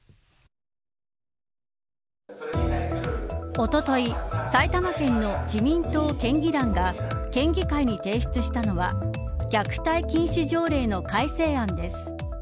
おととい、埼玉県の自民党県議団が県議会に提出したのは虐待禁止条例の改正案です。